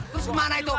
terus kemana itu